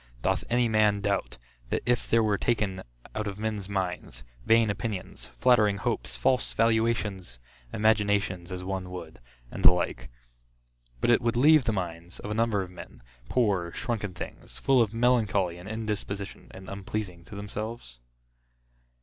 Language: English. Doth any man doubt, that if there were taken out of men's minds, vain opinions, flattering hopes, false valuations, imaginations as one would, and the like, but it would leave the minds, of a number of men, poor shrunken things, full of melancholy and indisposition, and unpleasing to themselves?